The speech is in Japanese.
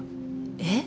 えっ！？